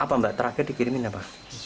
apa mbak terakhir dikirimin apa